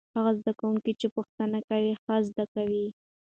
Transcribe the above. هغه زده کوونکي چې پوښتنه کوي ښه زده کوي.